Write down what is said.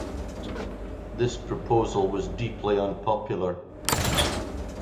This proposal was deeply unpopular.